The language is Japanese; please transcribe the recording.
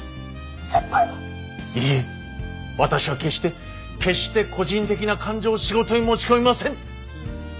先輩は「いいえ私は決して決して個人的な感情を仕事に持ち込みません！」。